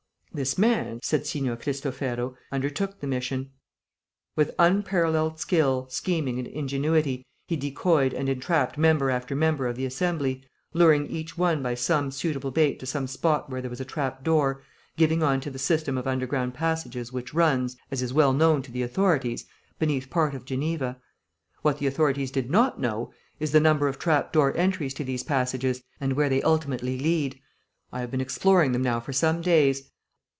"This man," said Signor Cristofero, "undertook the mission. With unparalleled skill, scheming and ingenuity, he decoyed and entrapped member after member of the Assembly, luring each one by some suitable bait to some spot where there was a trap door giving on to the system of underground passages which runs, as is well known to the authorities, beneath part of Geneva. What the authorities did not know, is the number of trap door entries to these passages, and where they ultimately lead. I have been exploring them now for some days.